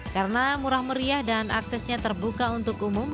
karena murah meriah dan aksesnya terbuka untuk umum